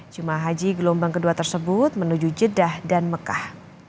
jemaah haji gelombang kedua tersebut menuju jeddah dan mekah